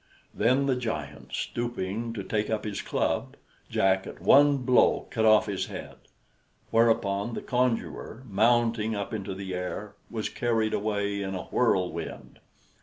Then the giant stooping to take up his club, Jack at one blow cut off his head; whereupon the conjurer, mounting up into the air, was carried away in a whirlwind.